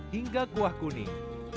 hingga kuah kuning